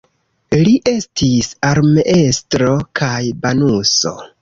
Li estis armeestro kaj banuso.